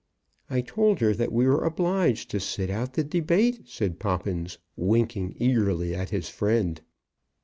"I told her that we were obliged to sit out the debate," said Poppins, winking eagerly at his friend.